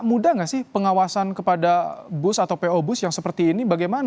apakah ini bisa mudah pengawasan kepada bus atau p o bus yang seperti ini bagaimana